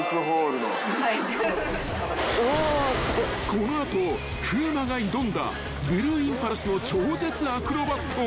［この後風磨が挑んだブルーインパルスの超絶アクロバット］